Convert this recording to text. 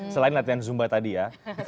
selain latihan zumba tadi ya